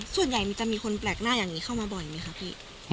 มันจะมีคนแปลกหน้าอย่างนี้เข้ามาบ่อยไหมคะพี่